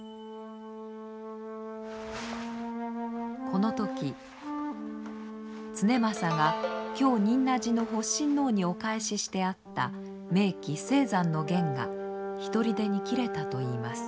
この時経正が京仁和寺の法親王にお返ししてあった名器青山の弦がひとりでに切れたといいます。